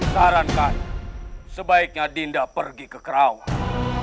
sarankan sebaiknya dinda pergi ke kerawang